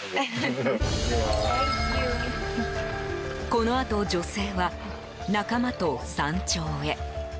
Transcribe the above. このあと、女性は仲間と山頂へ。